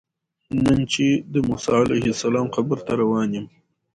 نن چې د موسی علیه السلام قبر ته روان یم.